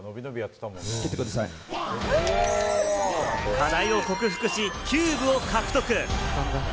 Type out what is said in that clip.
課題を克服し、キューブを獲得。